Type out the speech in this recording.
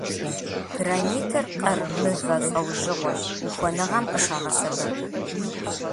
Гранитыр къыр мывэ лӏэужьыгъуэщ, ухуэныгъэм къыщагъэсэбэп.